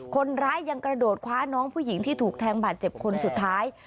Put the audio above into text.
คนร้ายยังกระโดดคว้าน้องผู้หญิงที่ถูกแทงบาดเจ็บคนสุดท้าย